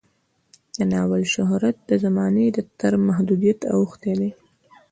د ناول شهرت د زمانې تر محدودیت اوښتی دی.